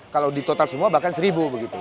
kalau ditotal semua bahkan seribu begitu